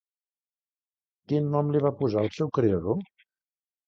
Quin nom li va posar el seu creador?